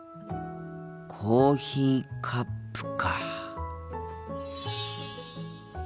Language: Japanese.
コーヒーカップか。